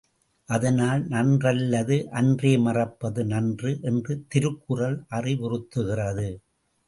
அதனால் நன்றல்லது அன்றே மறப்பது நன்று என்று திருக்குறள் அறிவுறுத்துகிறது.